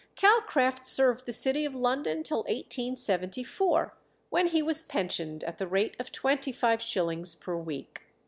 Calcraft served the city of London till 1874, when he was pensioned at the rate of twenty five shillings per week.